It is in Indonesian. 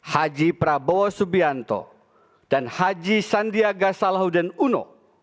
haji prabowo subianto dan haji sandiaga salahuddin uno